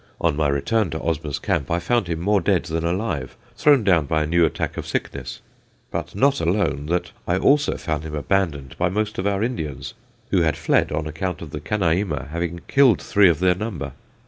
On my return to Osmers' camp, I found him more dead than alive, thrown down by a new attack of sickness; but not alone that, I also found him abandoned by most of our Indians, who had fled on account of the Kanaima having killed three of their number.